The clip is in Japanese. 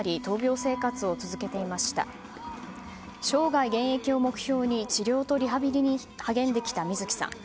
生涯現役を目標に治療とリハビリに励んできた水木さん。